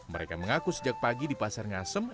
mereka mengaku sejak pagi di pasar ngasem